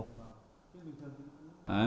có thể làm gì